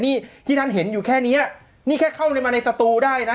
นี่ที่ท่านเห็นอยู่แค่เนี้ยนี่แค่เข้ามาในสตูได้นะ